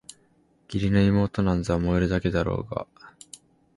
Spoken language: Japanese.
義理の妹なんざ萌えるだけだろうがあ！